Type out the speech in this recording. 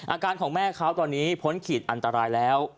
อาการของแม่เขาตอนนี้พ้นขีดอันตรายแล้ว